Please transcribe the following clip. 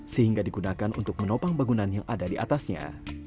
sehingga digunakan untuk menopang bangunan yang ada di atasnya